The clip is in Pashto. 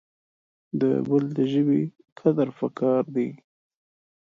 د بل دژبي قدر پکار د